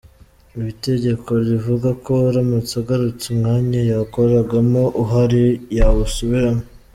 Itegeko rivuga ko aramutse agarutse umwanya yakoragamo uhari yawusubiramo.